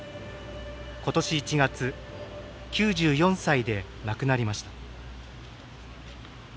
今年１月９４歳で亡くなりました。